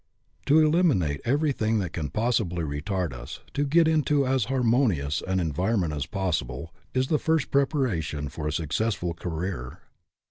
To eliminate everything that can possibly retard us, to get into as harmonious an en vironment as possible, is the first preparation for a successful career.